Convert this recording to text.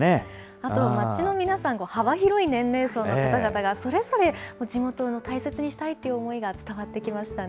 あと、街の皆さんの幅広い年齢の方々が、それぞれ地元を大切にしたいという思いが伝わってきましたね。